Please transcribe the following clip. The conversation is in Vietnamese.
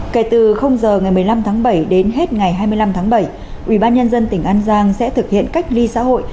kể từ giờ ngày một mươi năm tháng bảy đến hết ngày hai mươi năm tháng bảy ubnd tỉnh an giang sẽ thực hiện cách ly xã hội